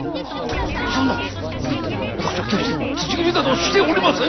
そんな私は決してつじ斬りなどしておりません！